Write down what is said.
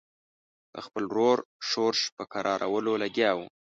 د خپل ورور ښورښ په کرارولو لګیا وو.